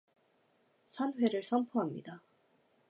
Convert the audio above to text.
산회를 선포합니다.